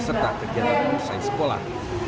serta kegiatan perusahaan sekolah